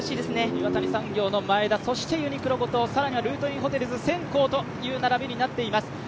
岩谷産業の前田、ユニクロ・後藤、更にはルートインホテルズ、センコーという並びになっています。